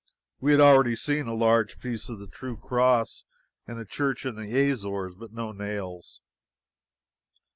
We had already seen a large piece of the true cross in a church in the Azores, but no nails.